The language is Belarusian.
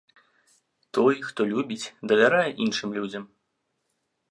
Той, хто любіць, давярае іншым людзям.